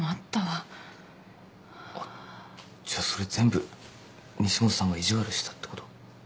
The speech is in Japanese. あっじゃそれ全部西本さんが意地悪したってこと？